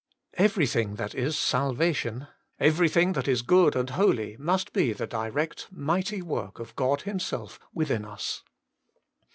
Everything that is salvation, everything that is good and holy, must be the direct mighty work of God Himself within us.